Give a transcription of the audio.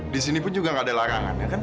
disini pun juga gak ada larangan ya kan